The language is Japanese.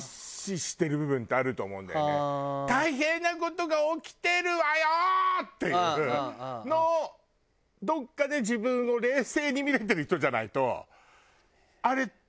「大変な事が起きてるわよ！」っていうのをどこかで自分を冷静に見れてる人じゃないと。